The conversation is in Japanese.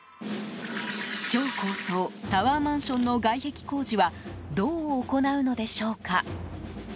超高層タワーマンションの外壁工事はどう行うのでしょうか。